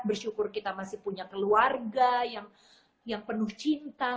bersyukur kita masih punya keluarga yang penuh cinta